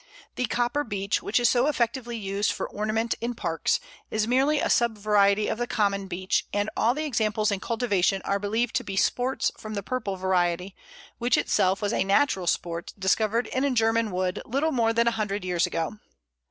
The Copper Beech, which is so effectively used for ornament in parks, is merely a sub variety of the Common Beech, and all the examples in cultivation are believed to be "sports" from the purple variety, which itself was a natural sport discovered in a German wood little more than a hundred years ago.